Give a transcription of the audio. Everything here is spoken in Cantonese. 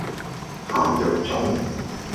鹹肉粽